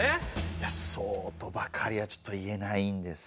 いやそうとばかりはちょっと言えないんですよね。